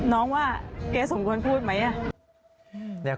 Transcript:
น้องว่าแกสมควรพูดไหม